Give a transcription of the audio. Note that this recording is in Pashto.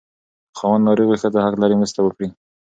که خاوند ناروغ وي، ښځه حق لري مرسته وکړي.